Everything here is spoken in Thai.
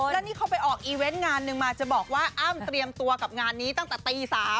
แล้วนี่เขาไปออกอีเวนต์งานหนึ่งมาจะบอกว่าอ้ำเตรียมตัวกับงานนี้ตั้งแต่ตี๓